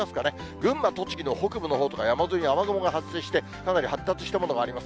群馬、栃木の北部のほうとか、山沿いに雨雲が発生して、かなり発達したものがあります。